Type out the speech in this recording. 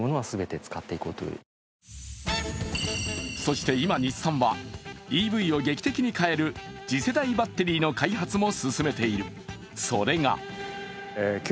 そして今日産はＥＶを劇的に変える次世代バッテリーの開発も進めている。